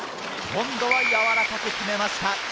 今度はやわらかく決めました。